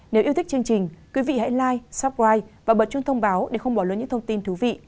nếu yêu thích chương trình quý vị hãy live supprite và bật chuông thông báo để không bỏ lỡ những thông tin thú vị